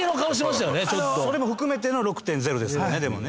それも含めての６．０ですよねでもね。